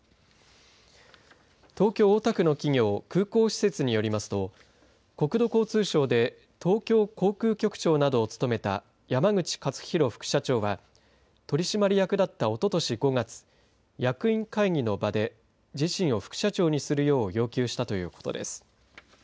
東京、大田区の企業空港施設によりますと国土交通省で東京航空局長などを務めた山口勝弘副社長は取締役だったおととし５月役員会議の場で自身を副社長にするよう要求したということです。